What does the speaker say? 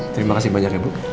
terima kasih banyak ya bu